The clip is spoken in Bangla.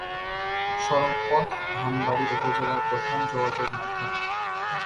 সড়কপথ ধনবাড়ী উপজেলার প্রধান যোগাযোগ মাধ্যম।